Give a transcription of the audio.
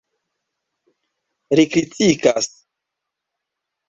Ri kritikas.